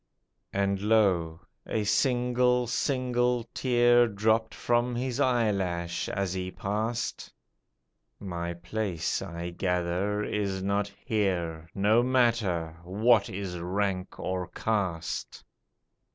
And lo, a single, single tear Dropped from his eyelash as he past, "My place I gather is not here; No matter, what is rank or caste?